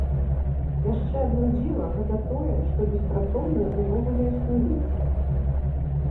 Яшчэ адно дзіва, гэта тое, што беспрацоўныя ўвогуле існуюць.